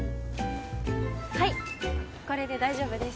はいこれで大丈夫です。